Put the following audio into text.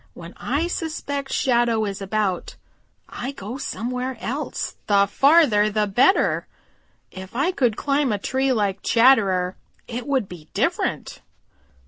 When I suspect Shadow is about, I go somewhere else, the farther the better. If I could climb a tree like Chatterer, it would be different."